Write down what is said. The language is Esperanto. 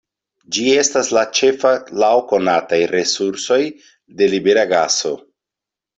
Ĝi estas la ĉefa laŭ konataj resursoj de libera gaso.